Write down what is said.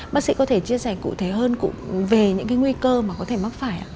bác sĩ có thể chia sẻ cụ thể hơn về những nguy cơ mà có thể mắc phải